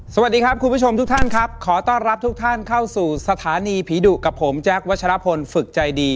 สวัสดีครับคุณผู้ชมทุกท่านครับขอต้อนรับทุกท่านเข้าสู่สถานีผีดุกับผมแจ๊ควัชลพลฝึกใจดี